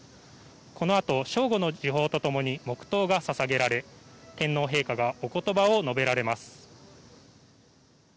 このあと正午の時報とともに黙祷が捧げられ天皇陛下がお言葉を述べられます。